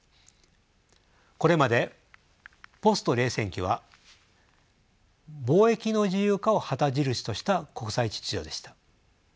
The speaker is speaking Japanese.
これまでポスト冷戦期は貿易の自由化を旗印とした国際秩序でした。